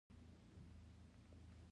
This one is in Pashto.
یوسف وویل چې دا فلسطینی ځوانان دي.